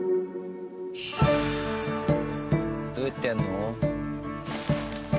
どうやってやるの？